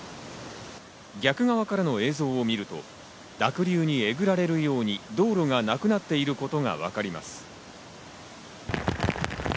逆側からの映像を見ると、濁流にえぐられるように道路がなくなっていることがわかります。